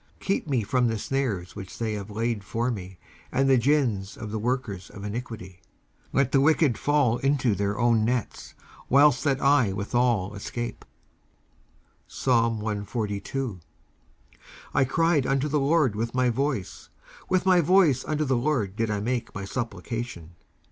19:141:009 Keep me from the snares which they have laid for me, and the gins of the workers of iniquity. 19:141:010 Let the wicked fall into their own nets, whilst that I withal escape. 19:142:001 I cried unto the LORD with my voice; with my voice unto the LORD did I make my supplication.